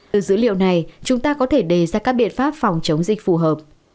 từ dữ liệu này chúng ta có thể đề ra các biện pháp phòng chống dịch phù hợp